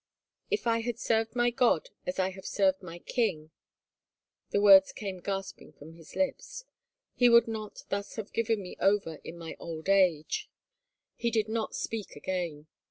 " If I had served my God as I have served my king," the iWords came gasping from his lips, " He would not thus have given me over in my old age." He did not speak again.